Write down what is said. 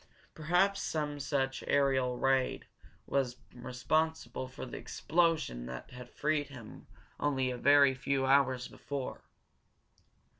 Perhaps some such aerial raid was responsible for the explosion that had freed him only a very few hours before.